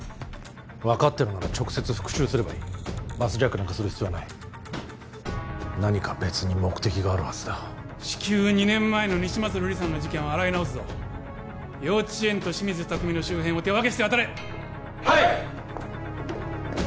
分かってるなら直接復讐すればいいバスジャックなんかする必要はない何か別に目的があるはずだ至急２年前の西松瑠璃さんの事件を洗い直すぞ幼稚園と清水拓海の周辺を手分けして当たれはい！